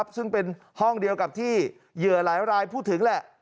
ซึ่งเป็นห้องเดียวกับที่เหยื่อหลายรายพูดถึงแหละ